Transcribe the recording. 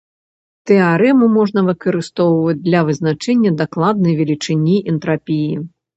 Тэарэму можна выкарыстоўваць для вызначэння дакладнай велічыні энтрапіі.